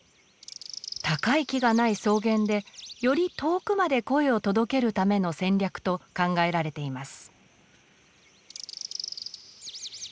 高い木がない草原でより遠くまで声を届けるための戦略と考えられています。